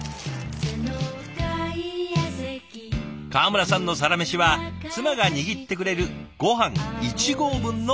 川村さんのサラメシは妻が握ってくれるごはん一合分のおにぎり。